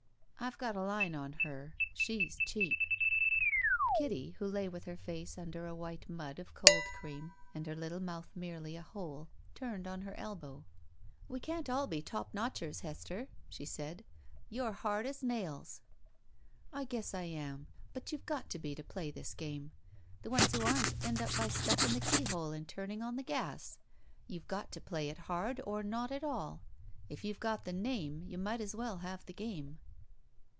I've got a line on her. She's cheap." Kitty, who lay with her face tmder a white mud of cold cream and her little mouth merely a hole, tinned on her fslbow. 74 BACK PAY "We can't all be top notchers, Hester, she said. "You're hard as nails." "I guess I am, but you've got to be to play this game. The ones who aren't end up by stuffing the keyhole and turning on the gas. You've got to play it hard or not at all. If you've got the name, you might as well have the game."